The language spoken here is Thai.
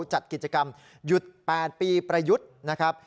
จัดกิจกรรมหยุด๘ปีประยุทธ์นะครับ